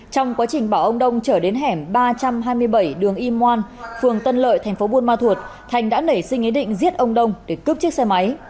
trong quá trình bảo ông đông chở đến hẻm ba trăm hai mươi bảy đường y moan phường tân lợi tp buôn ma thuột thành đã nảy sinh ý định giết ông đông để cướp chiếc xe máy